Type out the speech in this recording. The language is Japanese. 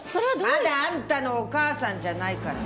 まだあんたのお母さんじゃないから。